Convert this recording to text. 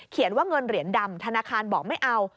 ว่าเงินเหรียญดำธนาคารบอกไม่เอา